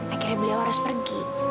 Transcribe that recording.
akhirnya beliau harus pergi